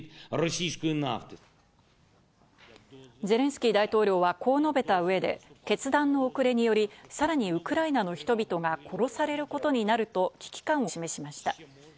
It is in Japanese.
ゼレンスキー大統領はこう述べた上で決断の遅れにより、さらにウクライナの人々が殺されることになると危機感を示しました。